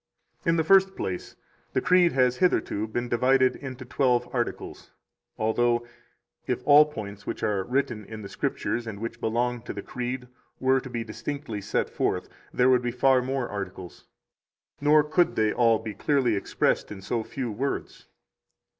5 In the first place, the Creed has hitherto been divided into twelve articles, although, if all points which are written in the Scriptures and which belong to the Creed were to be distinctly set forth, there would be far more articles, nor could they all be clearly expressed in so few words.